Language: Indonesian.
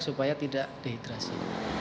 supaya tidak dehidrasi